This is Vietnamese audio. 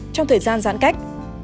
trong thời gian giãn cách